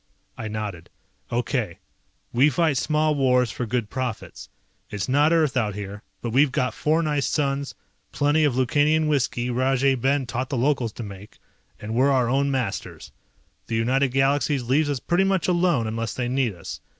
I nodded. "Okay. We fight small wars for good profits. It's not Earth out here, but we've got four nice suns, plenty of Lukanian whisky Rajay Ben taught the locals to make, and we're our own masters. The United Galaxies leaves us pretty much alone unless they need us.